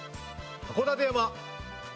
函館山。